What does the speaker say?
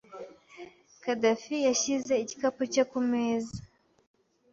Khadafi yashyize igikapu cye kumeza.